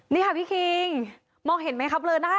นี่ค่ะพี่คิงมองเห็นไหมครับเบลอหน้า